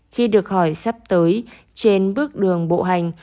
khi được hỏi sắp tới trên bước đường bộ hành